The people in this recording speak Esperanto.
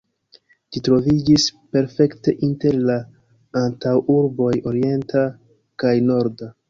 Ĝi troviĝis perfekte inter la antaŭurboj orienta kaj norda.